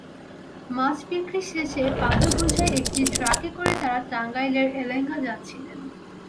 মাছ বিক্রি শেষে পাথরবোঝাই একটি ট্রাকে করে তাঁরা টাঙ্গাইলের এলেঙ্গা যাচ্ছিলেন।